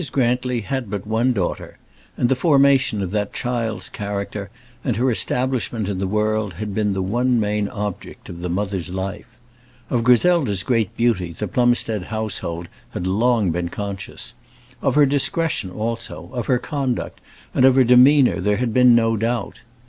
Grantly had but one daughter, and the formation of that child's character and her establishment in the world had been the one main object of the mother's life. Of Griselda's great beauty the Plumstead household had long been conscious; of her discretion also, of her conduct, and of her demeanour there had been no doubt.